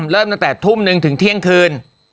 เริ่มตั้งแต่ทุ่มนึงถึงเที่ยงคืน